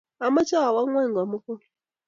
amache awok ngony komogul